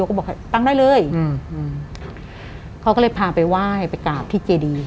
ก็บอกให้ตั้งได้เลยอืมเขาก็เลยพาไปไหว้ไปกราบที่เจดี